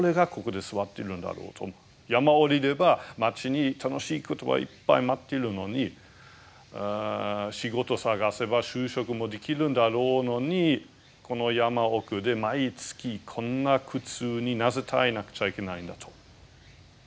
山を下りれば街に楽しいことがいっぱい待っているのに仕事探せば就職もできるんだろうのにこの山奥で毎月こんな苦痛になぜ耐えなくちゃいけないんだと。